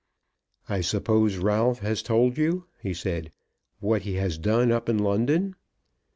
"I suppose Ralph has told you," he said, "what he has done up in London?"